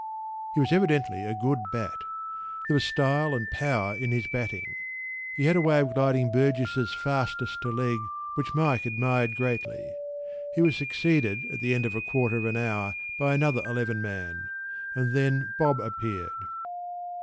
p> He was evidently a good bat.  There was style and power in his batting.  He had a way of gliding Burgess’s fastest to leg which Mike admired greatly.  He was succeeded at the end of a quarter of an hour by another eleven man, and then Bob appeared.